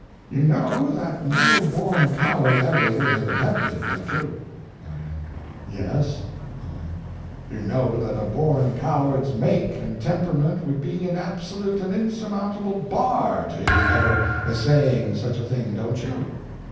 You know that no born coward ever would have attempted it, don't you? Y.M. Yes. O.M. You know that a born coward's make and temperament would be an absolute and insurmountable bar to his ever essaying such a thing, don't you?